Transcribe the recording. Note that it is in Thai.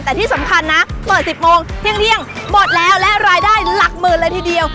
แต่ที่สำคัญนะเปิด๑๐โมงเที่ยงหมดแล้วและรายได้หลักหมื่นเลยทีเดียว